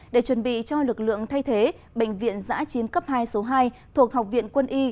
để chuẩn bị cho lực lượng thay thế bệnh viện giã chiến cấp hai số hai thuộc học viện quân y